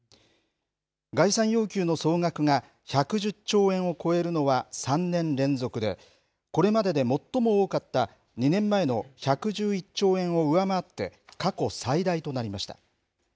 概算要求の総額が１１０兆円を超えるのは３年連続で、これまでで最も多かった２年前の１１１兆円を上回って、過去最大となりました。